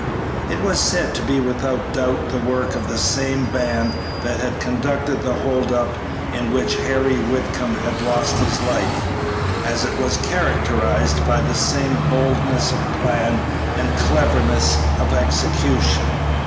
It was said to be without doubt the work of the same band that had conducted the hold up in which Harry Whitcomb had lost his life, as it was characterized by the same boldness of plan and cleverness of execution.